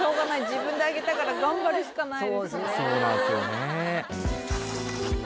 自分で上げたから頑張るしかないですね